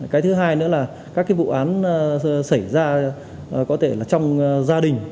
cái thứ hai nữa là các cái vụ án xảy ra có thể là trong gia đình